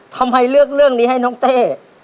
ทำไมเลือกเรื่องนี้ให้น้องเต้